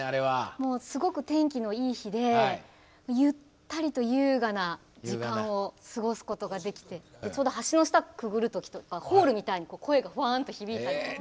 もうすごく天気のいい日でゆったりと優雅な時間を過ごすことができてちょうど橋の下をくぐる時とかホールみたいに声がホワンと響いたりとか。